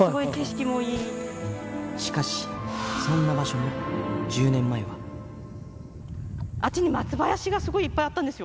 しかし、そんな場所も１０年あっちに松林がすごいいっぱいあったんですよ。